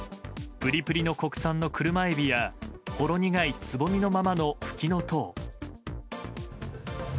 プリプリの国産の車エビやほろ苦いつぼみのままのフキノトウ。